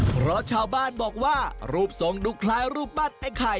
เพราะชาวบ้านบอกว่ารูปทรงดูคล้ายรูปปั้นไอ้ไข่